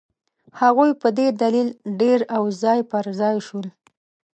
هغوی په دې دلیل ډېر او ځای پر ځای شول.